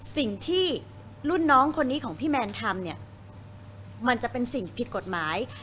สิ่งที่รุ่นน้องคนนี้ของพี่แมนทำเนี่ยมันจะเป็นสิ่งผิดกฎหมาย